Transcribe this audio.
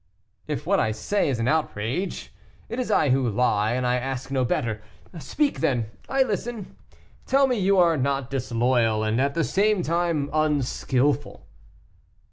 "If what I say is an outrage, it is I who lie, and I ask no better. Speak then, I listen; tell me you are not disloyal, and at the same time unskilful."